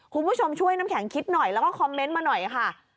คุณผู้ชมช่วยน้ำแข็งคิดหน่อยแล้วก็คอมเมนต์มาหน่อยค่ะ